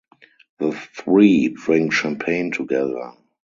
The three drink champagne together.